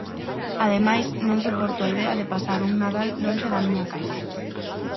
Ademais, non soporto a idea de pasar dun Nadal lonxe da miña casa.